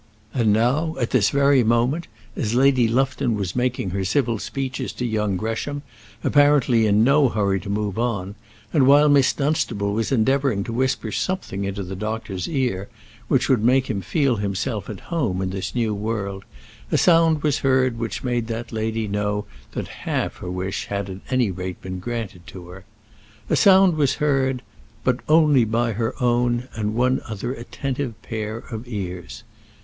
And now, at this very moment, as Lady Lufton was making her civil speeches to young Gresham, apparently in no hurry to move on, and while Miss Dunstable was endeavouring to whisper something into the doctor's ear, which would make him feel himself at home in this new world, a sound was heard which made that lady know that half her wish had at any rate been granted to her. A sound was heard but only by her own and one other attentive pair of ears.